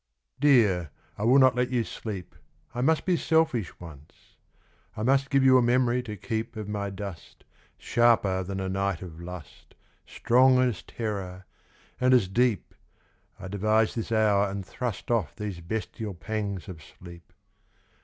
DEAR, I will not let you sleep I must be selfish once ; I must Give you a memory to keep Of my dust Sharper than a night of lust Strong as terror, and as deep I devise this hour and thrust Off these bestial pangs of sleep.